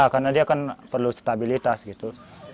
karena dia kan perlu stabilitas gitu